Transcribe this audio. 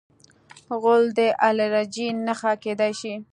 غول د الرجۍ نښه کېدای شي.